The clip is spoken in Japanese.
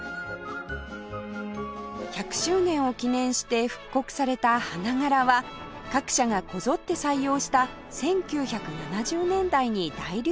１００周年を記念して復刻された花柄は各社がこぞって採用した１９７０年代に大流行したデザイン